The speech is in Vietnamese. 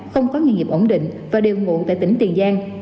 không có nghề nghiệp ổn định và đều ngụ tại tỉnh tiền giang